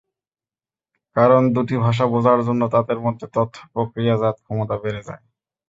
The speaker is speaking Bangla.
কারণ, দুটি ভাষা বোঝার জন্য তাদের মধ্যে তথ্য প্রক্রিয়াজাত ক্ষমতা বেড়ে যায়।